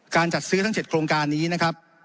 จัดซื้อทั้ง๗โครงการนี้นะครับ